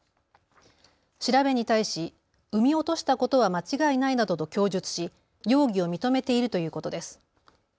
調べに対し産み落としたことは間違いないなどと供述し容疑を認めているということです。